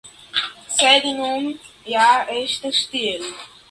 Sed nun ja estas tiel.